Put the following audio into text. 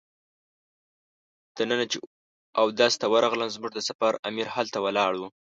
دننه چې اودس ته ورغلم زموږ د سفر امیر هلته ولاړ و.